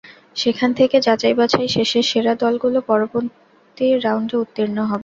সেখান থেকে যাচাই বাছাই শেষে সেরা দলগুলো পরবর্তী রাউন্ডে উত্তীর্ণ হবে।